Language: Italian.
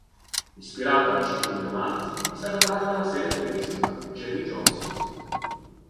Ispirata al ciclo di romanzi è stata tratta la serie televisiva "Jamie Johnson".